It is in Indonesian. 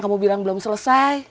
kamu bilang belum selesai